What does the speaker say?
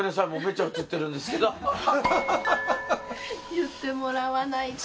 言ってもらわないと。